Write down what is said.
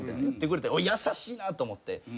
言ってくれて優しいなと思って。